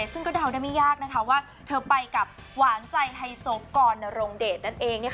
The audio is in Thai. ซึ่งก็เดาได้ไม่ยากว่าเธอไปกับหวานใจไฮโซกรนรงเดชนั่นเอง